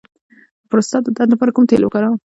د پروستات د درد لپاره کوم تېل وکاروم؟